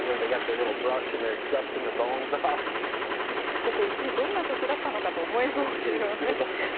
ここ、一体どんな土地だったのかと思いますよね。